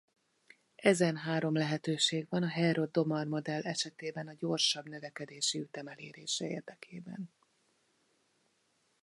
Ezen három lehetőség van a Harrod–Domar-modell esetében a gyorsabb növekedési ütem elérése érdekében.